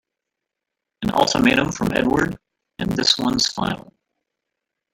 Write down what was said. An ultimatum from Edward and this one's final!